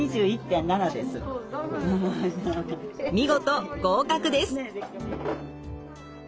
見事合格です。